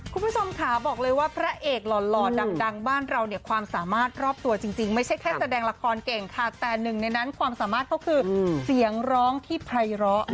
คุณผู้ชมค่ะบอกเลยว่าพระเอกหล่อดังบ้านเราเนี่ยความสามารถรอบตัวจริงไม่ใช่แค่แสดงละครเก่งค่ะแต่หนึ่งในนั้นความสามารถเขาคือเสียงร้องที่ไพร้อ